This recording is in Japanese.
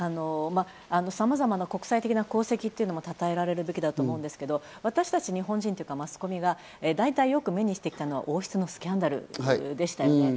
さまざまな国際的な功績もたたえられるべきだと思うんですけど、私たち日本人とかマスコミが大体よく目にしてきたのが王室のスキャンダルでしたね。